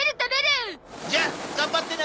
じゃあ頑張ってな。